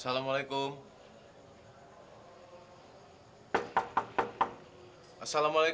kamila kangen banget sama makan